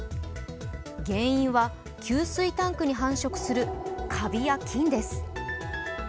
原因は給水タンクに繁殖するかびや菌です。